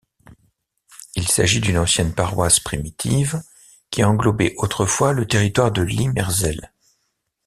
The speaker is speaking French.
Il s'agit d'une ancienne paroisse primitive qui englobait autrefois le territoire de Limerzel.